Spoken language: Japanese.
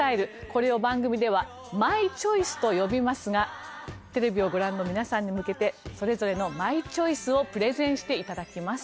これを番組ではマイチョイスと呼びますがテレビをご覧の皆さんに向けてそれぞれのマイチョイスをプレゼンして頂きます。